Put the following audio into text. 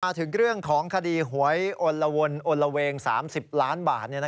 ถึงเรื่องของคดีหวยอลละวนอนละเวง๓๐ล้านบาท